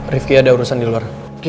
rifki ada urusan di luar